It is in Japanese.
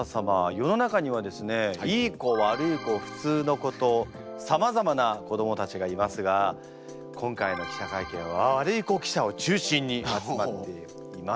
世の中にはですねいい子悪い子普通の子とさまざまな子どもたちがいますが今回の記者会見はワルイコ記者を中心に集まっています。